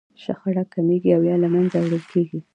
شخړه کمیږي او يا له منځه وړل کېږي.